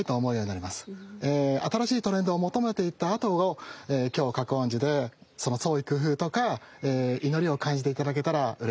新しいトレンドを求めていったあとを今日覚園寺でその創意工夫とか祈りを感じて頂けたらうれしいです。